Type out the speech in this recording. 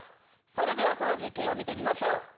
それではその実験を見てみましょう。